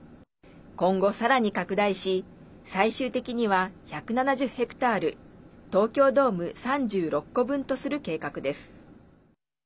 今後さらに拡大し最終的には１７０ヘクタール東京ドーム３６個分とする計画です。